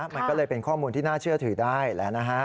มันก็เลยเป็นข้อมูลที่น่าเชื่อถือได้แล้วนะฮะ